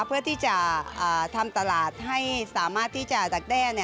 เพื่อที่จะทำตลาดให้สามารถที่จะดักแด้